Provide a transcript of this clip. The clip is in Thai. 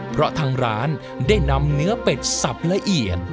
เพราะทางร้านได้นำเนื้อเป็ดสับละเอียด